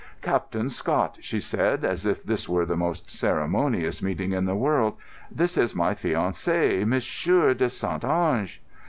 "Captain Scott," she said, as if this were the most ceremonious meeting in the world, "this is my fiancé, Monsieur de St. Ange."